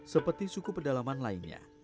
seperti suku pedalaman lainnya